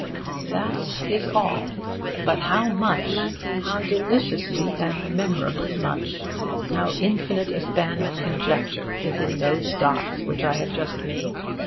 That is all. But how much! how deliciously and memorably much! How infinite a span of conjecture is in those dots which I have just made!